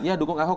ya dukung ahok